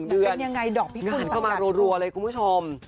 มันเป็นยังไงดอกพี่กุลมันกลับมารวเลยคุณผู้ชม